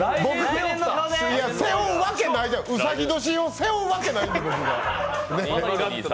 背負うわけない、うさぎ年を背負うわけない。